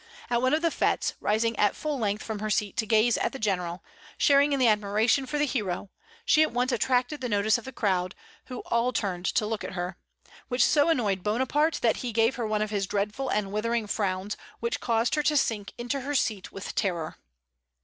At one of these fêtes, rising at full length from her seat to gaze at the General, sharing in the admiration for the hero, she at once attracted the notice of the crowd, who all turned to look at her; which so annoyed Bonaparte that he gave her one of his dreadful and withering frowns, which caused her to sink into her seat with terror.